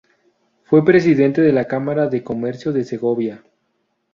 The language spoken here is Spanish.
Fue presidente de la Cámara de Comercio de Segovia.